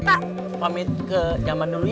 saya pamit ke jamban dulu ya